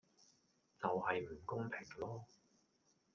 就係唔公平囉